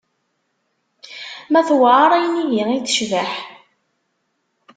Ma tuɛer ayen ihi i tecbeḥ?